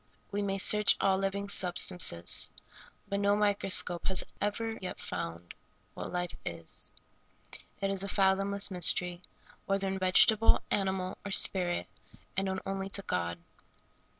We may search all living substances, but no microscope has ever yet found what life is. It is a fathomless mystery, whether in vegetable, animal, or spirit, and known only to God.